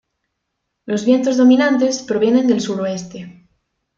Los vientos dominantes provienen del suroeste.